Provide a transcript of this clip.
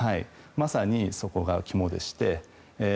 まさに、そこが肝でして。